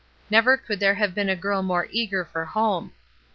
Never could there have been a girl more eager for home.